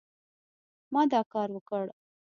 ما دا کار وکړ